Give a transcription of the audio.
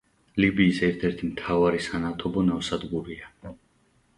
ლიბიის ერთ-ერთი მთავარი სანავთობო ნავსადგურია.